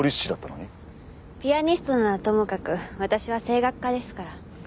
ピアニストならともかく私は声楽家ですから。